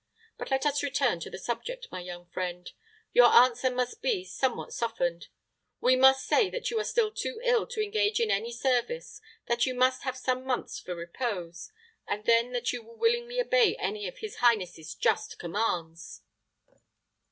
But let us return to the subject, my young friend. Your answer must be somewhat softened. We must say that you are still too ill to engage in any service; that you must have some months for repose, and that then you will willingly obey any of his highness's just commands."